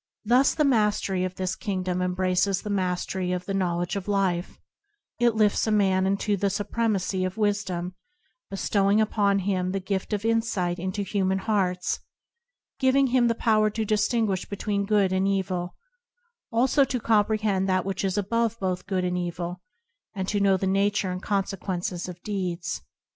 Thus the mastery of this kingdom embraces the mastery of the know ledge of life; it lifts a man into the suprem acy of wisdom, bestowing upon him the gift of insight into human hearts, giving him the power to distinguish between good and evil, also to comprehend that which is above both good and evil, and to know the nature and consequences of deeds.